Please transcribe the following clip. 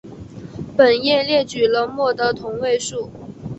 本页列举了镆的同位素。